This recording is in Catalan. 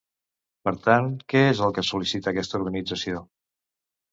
Per tant, què és el que sol·licita aquesta organització?